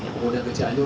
kemudian ke janyur